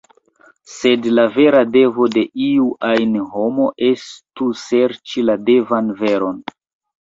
Sed la vera devo de iu ajn homo estu serĉi la devan veron.